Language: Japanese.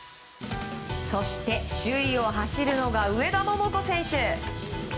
そして首位を走るのが上田桃子選手。